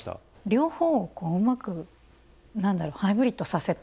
両方をうまく何だろうハイブリッドさせて。